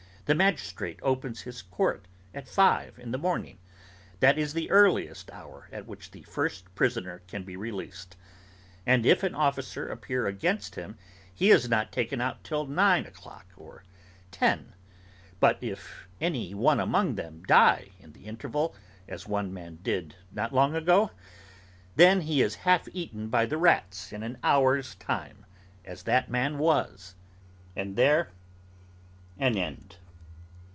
The magistrate opens his court at five in the morning. That is the earliest hour at which the first prisoner can be released; and if an officer appear against him, he is not taken out till nine o'clock or ten.—But if any one among them die in the interval, as one man did, not long ago? Then he is half eaten by the rats in an hour's time; as that man was; and there an end.